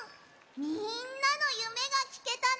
みんなのゆめがきけたね。